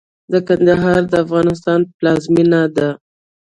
د کندهار د افغانستان پلازمېنه ده.